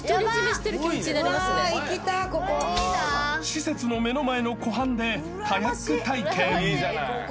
［施設の目の前の湖畔でカヤック体験］